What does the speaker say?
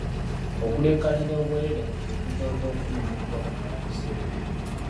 Okuleekaanira obwereere mu kintu ky’otoofunemu kuba kumala biseera.